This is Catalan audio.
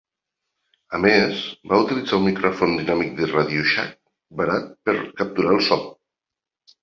A més, va utilitzar un micròfon dinàmic de Radioshack barat per capturar el so.